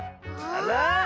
あら！